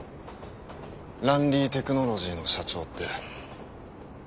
ランリーテクノロジーの社長って。